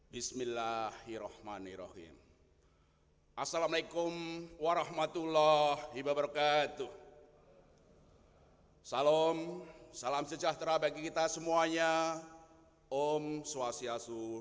bersama dengan bapak peri warjiu